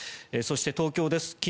そして東京です。